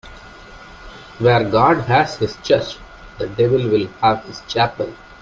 Where God has his church, the devil will have his chapel.